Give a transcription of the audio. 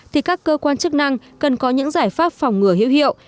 thì các cơ quan chức năng cần có những giải pháp phòng ngừa hữu hiệu